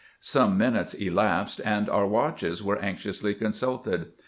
Some minutes elapsed, and our watches were anxiously consulted.